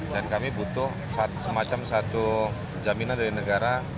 dan kami butuh semacam satu jaminan dari negara